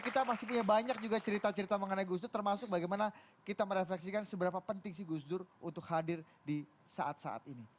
kita masih punya banyak juga cerita cerita mengenai gus dur termasuk bagaimana kita merefleksikan seberapa penting sih gus dur untuk hadir di saat saat ini